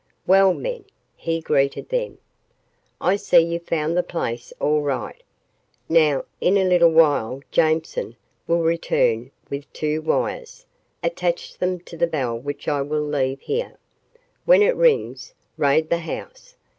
"Well, men," he greeted them, "I see you found the place all right. Now, in a little while Jameson will return with two wires. Attach them to the bell which I will leave here. When it rings, raid the house.